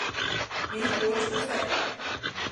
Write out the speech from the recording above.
民国初废。